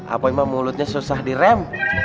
aku ibang mulutnya susah direm